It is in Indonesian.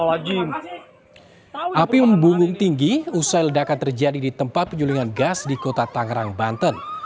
api membumbung tinggi usai ledakan terjadi di tempat penyulingan gas di kota tangerang banten